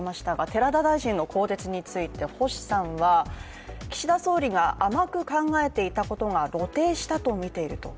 寺田大臣の更迭について、星さんは岸田総理が甘く考えていたことが露呈したと見ていると。